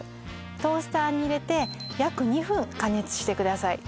トースターに入れて約２分加熱してください